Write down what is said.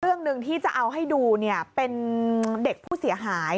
เรื่องหนึ่งที่จะเอาให้ดูเนี่ยเป็นเด็กผู้เสียหาย